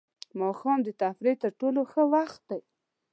ماښام د تفریح تر ټولو ښه وخت دی.